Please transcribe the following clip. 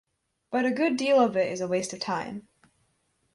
But a good deal of it is a waste of time.